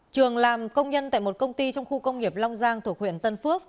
trường làm công nhân tại một công ty trong khu công nghiệp long giang thuộc huyện tân phước